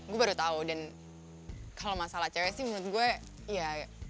gue baru tahu dan kalau masalah cewek sih menurut gue ya